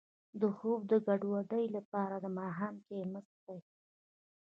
د خوب د ګډوډۍ لپاره د ماښام چای مه څښئ